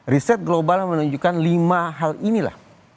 riset global menunjukkan lima hal inilah